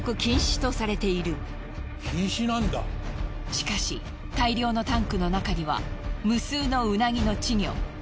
しかし大量のタンクの中には無数のウナギの稚魚。